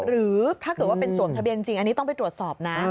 หรือถ้าเกิดว่าเป็นสวมทะเบียนจริงอันนี้ต้องไปตรวจสอบนะ